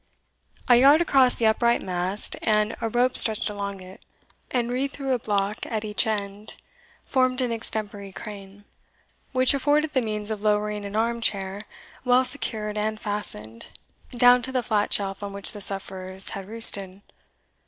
A yard across the upright mast, and a rope stretched along it, and reeved through a block at each end, formed an extempore crane, which afforded the means of lowering an arm chair, well secured and fastened, down to the flat shelf on which the sufferers had roosted.